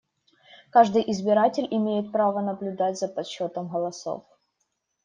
Каждый избиратель имеет право наблюдать за подсчётом голосов.